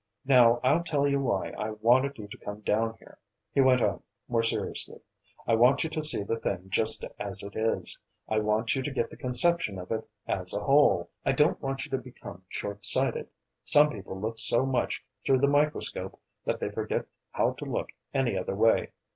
Now I'll tell you why I wanted you to come down here," he went on, more seriously. "I want you to see the thing just as it is. I want you to get the conception of it as a whole. I don't want you to become short sighted. Some people look so much through the microscope that they forget how to look any other way.